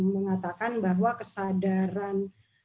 mengatakan bahwa kesadaran